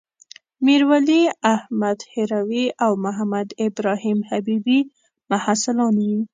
میرولی احمد هروي او محمدابراهیم حبيبي محصلان وو.